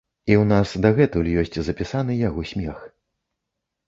І ў нас дагэтуль ёсць запісаны яго смех.